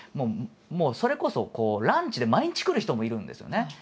もうそれこそランチで毎日来る人もいるんですよね。